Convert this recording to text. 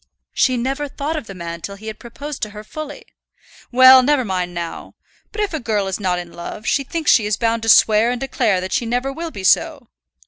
"She never thought of the man till he had proposed to her fully." "Well, never mind now. But if a girl is not in love, she thinks she is bound to swear and declare that she never will be so."